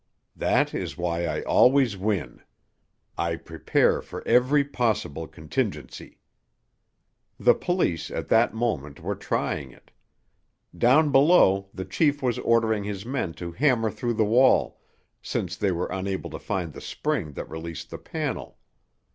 That is why I always win. I prepare for every possible contingency." The police, at that moment, were trying it. Down below, the chief was ordering his men to hammer through the wall, since they were unable to find the spring that released the panel.